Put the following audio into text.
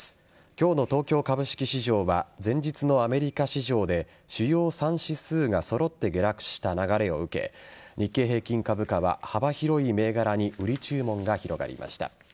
今日の東京株式市場は前日のアメリカ市場で主要３指数が揃って下落した流れを受け日経平均株価は幅広い銘柄に売り注文が広がりました。